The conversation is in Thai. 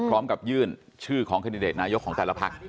พร้อมกับยื่นชื่อของแคนดิเดตนายกของแต่ละพัก